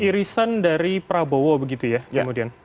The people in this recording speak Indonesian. irisan dari prabowo begitu ya kemudian